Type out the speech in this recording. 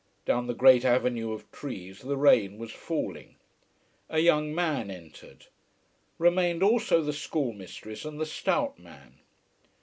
Down the great avenue of trees the rain was falling. A young man entered. Remained also the schoolmistress and the stout man.